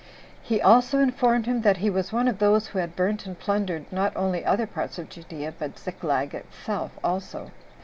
He also informed him that he was one of those who had burnt and plundered, not only other parts of Judea, but Ziklag itself also.